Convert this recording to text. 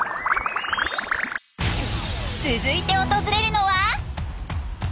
続いて訪れるのは。